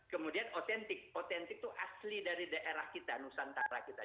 kemudian otentik otentik itu asli dari daerah kita nusantara kita